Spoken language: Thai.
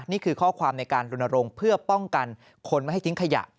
นี่คือข้อความในการลนรงค์เพื่อป้องกันคนไม่ให้ทิ้งขยะ